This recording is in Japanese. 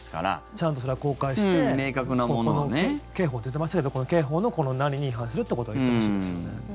ちゃんと、それは公開して刑法と言ってましたけど刑法の何に違反するってことを言ってほしいですよね。